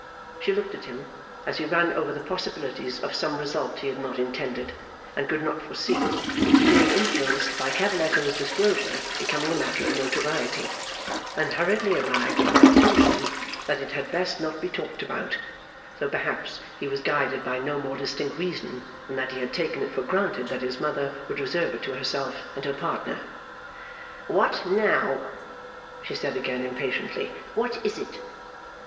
She looked at him, as he ran over the possibilities of some result he had not intended, and could not foresee, being influenced by Cavalletto's disclosure becoming a matter of notoriety, and hurriedly arrived at the conclusion that it had best not be talked about; though perhaps he was guided by no more distinct reason than that he had taken it for granted that his mother would reserve it to herself and her partner. 'What now?' she said again, impatiently. 'What is it?